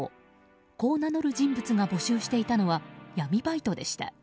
こう名乗る人物が募集していたのは闇バイトでした。